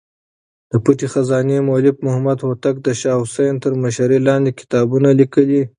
د پټې خزانې مولف محمد هوتک د شاه حسين تر مشرۍ لاندې کتابونه ليکلي.